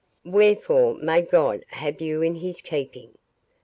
Wherefore may God have you in his keeping.